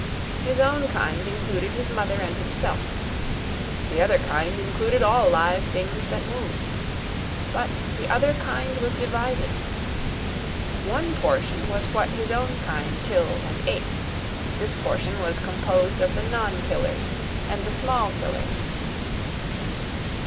His own kind included his mother and himself. The other kind included all live things that moved. But the other kind was divided. One portion was what his own kind killed and ate. This portion was composed of the non killers and the small killers.